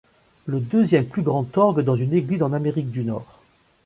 Le deuxième plus grand orgue dans une église en Amérique du Nord.